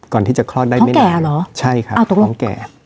ก่อนที่จะคลอดได้ไม่ได้เลยใช่ค่ะตรงแก่อ๋อตรงแก่